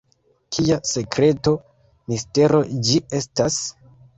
Kia sekreto, mistero ĝi estas?